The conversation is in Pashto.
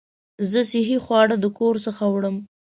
زه صحي خواړه د کور څخه وړم.